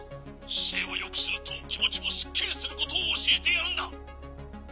「しせいをよくするときもちもスッキリすることをおしえてやるんだ！」。